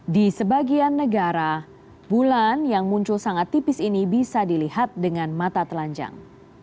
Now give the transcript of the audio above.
di sebagian negara bulan yang muncul sangat tipis ini bisa dilihat dengan mata telanjang